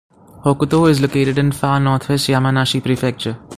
Hokuto is located in far northwest Yamanashi Prefecture.